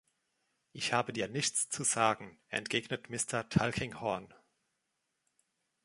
„Ich habe dir nichts zu sagen“, entgegnet Mr. Tulkinghorn.